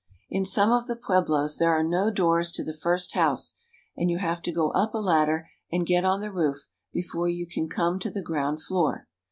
In some of the pueblos there are no doors to the first house, and you have to go up a ladder and get on the roof before you can come to the ground floor.